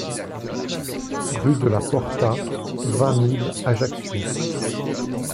Rue de la Porta, vingt mille Ajaccio